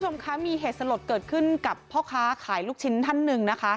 คุณผู้ชมคะมีเหตุสลดเกิดขึ้นกับพ่อค้าขายลูกชิ้นท่านหนึ่งนะคะ